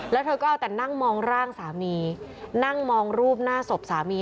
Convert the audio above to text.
แล้วเธอก็เอาแต่นั่งมองร่างสามีนั่งมองรูปหน้าศพสามี